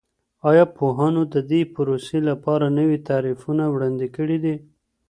ایا پوهانو د دې پروسې لپاره نوي تعریفونه وړاندې کړي دي؟